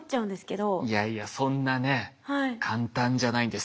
いやいやそんなね簡単じゃないんです。